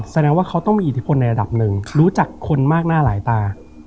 แสดงว่าเขาต้องมีอิทธิพลในระดับหนึ่งรู้จักคนมากหน้าหลายตา